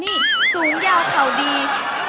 นี่สูงยาวเข่าดี